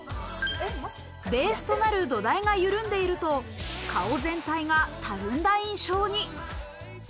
ベースとなる土台が緩んでいると、顔全体がたるんだ印象に。